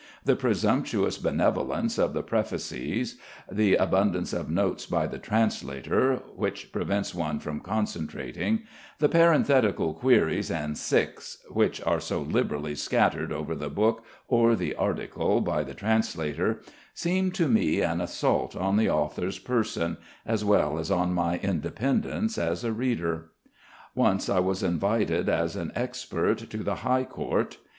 The presumptuous benevolence of the prefaces, the abundance of notes by the translator (which prevents one from concentrating), the parenthetical queries and sics, which are so liberally scattered over the book or the article by the translator seem to me an assault on the author's person, as well as on my independence as a reader. Once I was invited as an expert to the High Court.